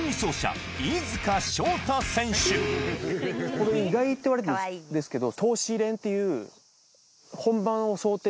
これ意外って言われるんですけど。